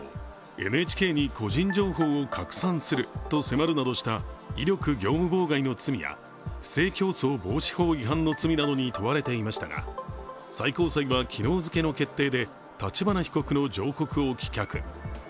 ＮＨＫに個人情報を拡散すると迫るなどした威力業務妨害の意味や不正競争防止法違反の罪などに問われていましたが、最高裁は昨日付の決定で立花被告の上告を棄却。